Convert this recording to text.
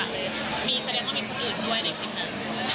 มีแสดงของเห็นผู้อื่นด้วยในคลิปนั้น